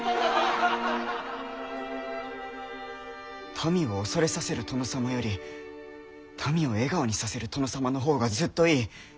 民を恐れさせる殿様より民を笑顔にさせる殿様の方がずっといい。